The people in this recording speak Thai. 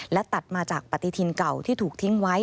และตัดมาจากปฏิทินเก่าที่ถูกทิ้งไว้